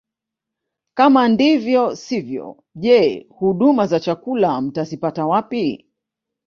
Kama ndivyo sivyo je huduma za chakula mtazipata wapi